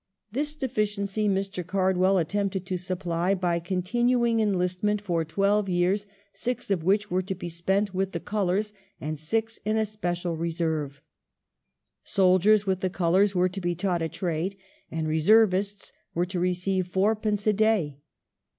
This de ficiency Mr. Cardwell attempted to supply by continuing enlist ment for twelve years, six of which were to be spent with the coloui's,^ and six in a special Reserve. Soldiers with the colours were to be taught a trade, and reservists were to receive fourpence a day.